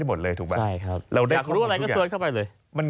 เราได้ทุกอย่าง